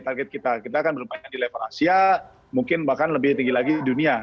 target kita kita akan bermain di level asia mungkin bahkan lebih tinggi lagi dunia